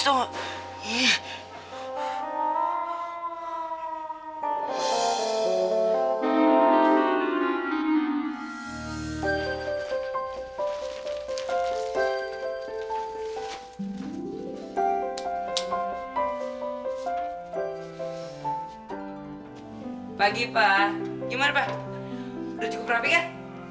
pagi pak gimana pak udah cukup rapi kan